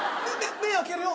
目目開けるよ。